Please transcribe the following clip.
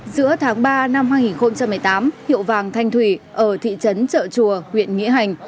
giữa tháng ba năm hai nghìn một mươi tám hiệu vàng thanh thủy ở thị trấn trợ chùa huyện nghĩa hành